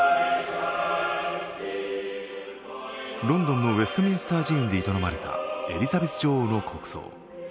ロンドンのウェストミンスター寺院で営まれたエリザベス女王の国葬。